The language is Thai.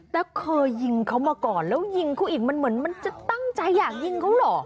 แล้วเคยยิงเขามาก่อนแล้วยิงเขาอีกมันเหมือนมันจะตั้งใจอยากยิงเขาเหรอ